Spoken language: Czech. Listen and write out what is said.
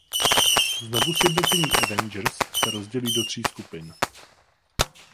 Znovusjednocení Avengers se rozdělí do tří skupin.